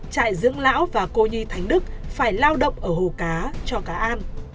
trại dưỡng lão và cô nhi thánh đức phải lao động ở hồ cá cho cá an